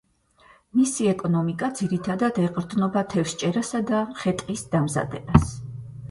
მისი ეკონომიკა ძირითადად ეყრდნობა თევზჭერასა და ხე-ტყის დამზადებას.